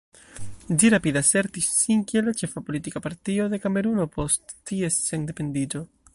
Ĝi rapide asertis sin kiel la ĉefa politika partio de Kameruno post ties sendependiĝo.